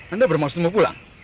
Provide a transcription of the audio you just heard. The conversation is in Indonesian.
anda bermaksud mau pulang